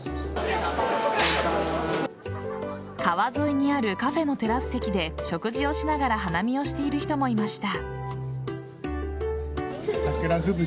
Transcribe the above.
川沿いにあるカフェのテラス席で食事をしながら花見をしている人もいました。